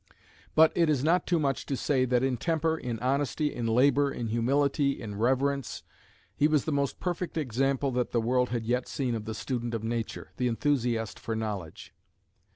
But it is not too much to say that in temper, in honesty, in labour, in humility, in reverence, he was the most perfect example that the world had yet seen of the student of nature, the enthusiast for knowledge.